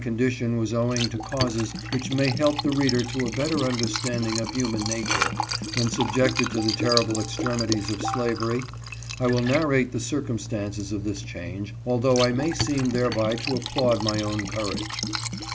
condition was owing to causes which may help the reader to a better understanding of human nature, when subjected to the terrible extremities of slavery, I will narrate the circumstances of this change, although I may seem thereby to applaud my own courage.